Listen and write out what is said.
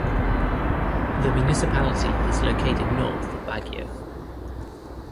The municipality is located north of Baguio.